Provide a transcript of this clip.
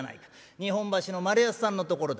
日本橋の丸安さんのところだ」。